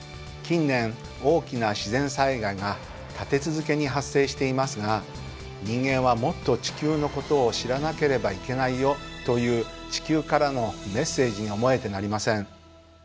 近年大きな自然災害が立て続けに発生していますが人間はもっと地球のことを知らなければいけないよという地球からのメッセージに思えてなりません。